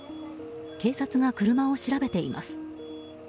警察が車を調べています。